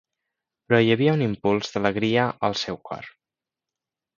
Però hi havia un impuls d'alegria al seu cor.